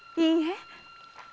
いいえ。